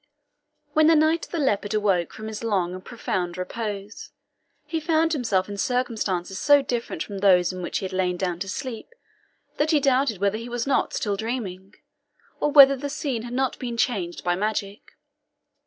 When the Knight of the Leopard awoke from his long and profound repose, he found himself in circumstances so different from those in which he had lain down to sleep, that he doubted whether he was not still dreaming, or whether the scene had not been changed by magic.